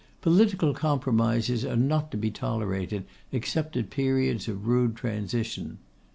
Political compromises are not to be tolerated except at periods of rude transition.